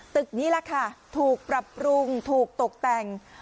ตึกนี้ล่ะค่ะถูกปรับปรุงถูกตกแต่ง